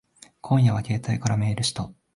今夜は携帯からメールした。